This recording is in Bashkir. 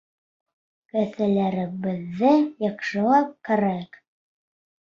Кеҫәләребеҙҙе яҡшылап ҡарайыҡ!